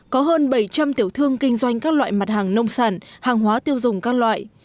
có hơn bảy trăm linh tiểu thương kinh doanh các loại mặt hàng nông sản hàng hóa tiêu dùng các loại